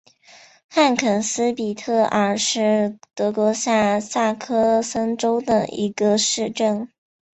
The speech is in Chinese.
汉肯斯比特尔是德国下萨克森州的一个市镇。